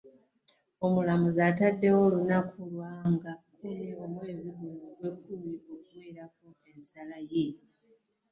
Omulamuzi ataddewo olunaku lwa nga kkumi omwezi ogw'ekkumi okuweerako ensala ye